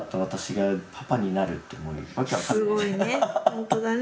すごいね。